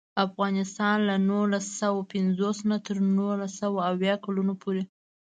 افغانستان له نولس سوه پنځوس نه تر نولس سوه اویا کلونو پورې.